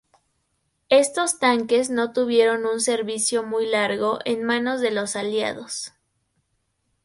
Estos tanques no tuvieron un servicio muy largo en manos de los Aliados.